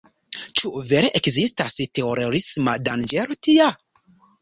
Ĉu vere ekzistas terorisma danĝero tia?